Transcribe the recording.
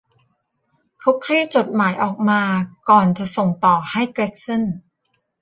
เขาคลี่จดหมายออกมาก่อนจะส่งต่อให้เกร็กสัน